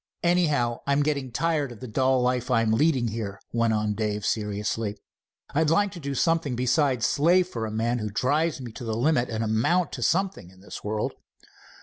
"Anyhow, I'm getting tired of the dull life I'm leading here," went on Dave seriously. "I'd like to do something besides slave for a man who drives me to the limit, and amount to something in the world."